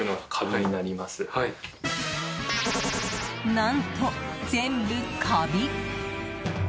何と、全部カビ。